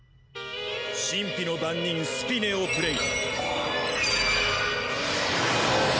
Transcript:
神秘の番人・スピネをプレイ。